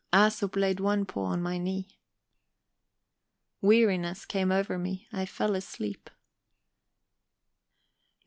Æsop laid one paw on my knee. Weariness came over me; I fell asleep.